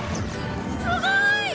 すごーい！